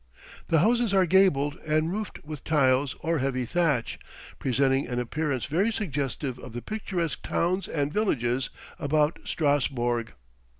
The houses are gabled, and roofed with tiles or heavy thatch, presenting an appearance very suggestive of the picturesque towns and villages about Strasburg.